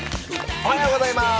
おはようございます。